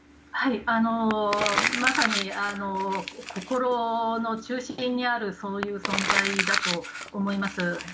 まさに、心の中心にある存在だと思います。